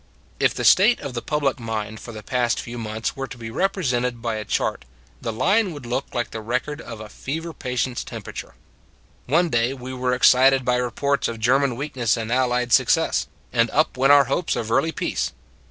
" If the state of the public mind for the past few months were to be represented by a chart, the line would look like the record of a fever patient s temperature. One day we were excited by reports of German weakness and Allied success; and up went our hopes of early peace.